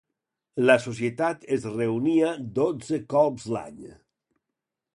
La Societat es reunia dotze colps l'any.